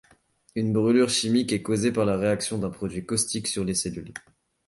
Une brûlure chimique est causée par la réaction d'un produit caustique sur les cellules.